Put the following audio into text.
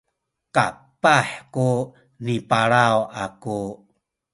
kapah kuni palaw aku